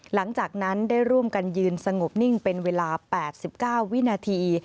หลังจากนั้นได้ร่วมกันยืนสงบนิ่งเป็นเวลา๘๙วินาที